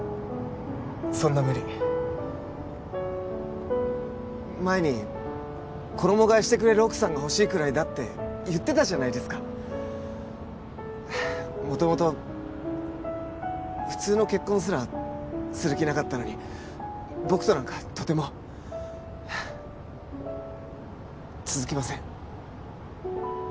そんな無理前に「衣替えしてくれる奥さんがほしいくらいだ」って言ってたじゃないですか元々普通の結婚すらする気なかったのに僕となんかとても続きません